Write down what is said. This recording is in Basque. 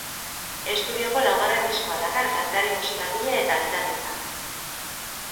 Estudioko laugarren diskoa dakar kantari, musikagile eta gitarristak.